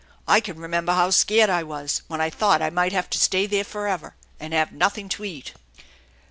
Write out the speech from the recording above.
I can remember how scared I was when I thought I might have to stay there forever, and have nothing to eat."